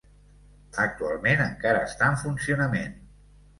Actualment encara està en funcionament.